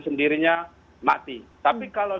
sendirinya mati tapi kalau